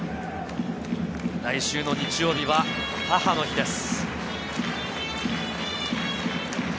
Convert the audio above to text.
来週の日曜日は母の日です。